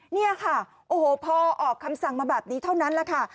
นี่ค่ะโอ้โหพอออกคำสั่งมาแบบนี้เท่านั้นแหละค่ะ